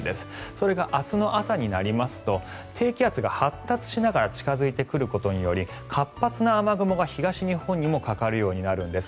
それが明日の朝になりますと低気圧が発達しながら近付いてくることにより活発な雨雲が東日本にもかかるようになるんです。